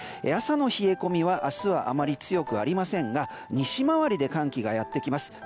朝の冷え込みはあまり強くありませんが西回りで寒気がやってきます。